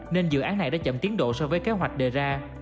nên dự án này đã chậm tiến độ so với kế hoạch đề ra